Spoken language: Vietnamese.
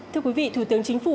thưa quý vị thủ tướng chính phủ